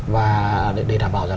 và để đảm bảo rằng